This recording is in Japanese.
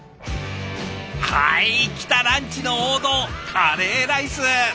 はい来たランチの王道カレーライス。